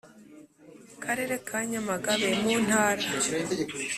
Karere ka Nyamagabe mu Ntara